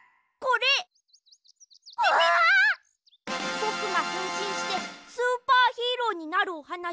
ぼくがへんしんしてスーパーヒーローになるおはなし。